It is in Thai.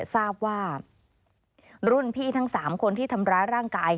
ทราบว่ารุ่นพี่ทั้ง๓คนที่ทำร้ายร่างกาย